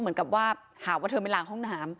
เหมือนกับว่าหาว่าเธอไม่ล้างห้องน้ำ